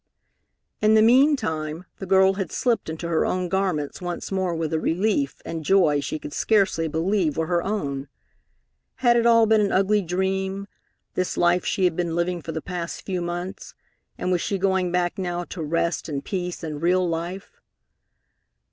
In the meantime, the girl had slipped into her own garments once more with a relief and joy she could scarcely believe were her own. Had it all been an ugly dream, this life she had been living for the past few months, and was she going back now to rest and peace and real life?